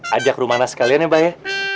ajak rumah nasi kalian ya pak ye